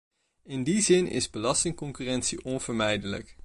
In die zin is belastingconcurrentie onvermijdelijk.